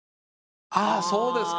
あそうですか。